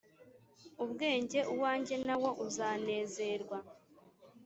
ubwenge Uwanjye na wo uzanezerwa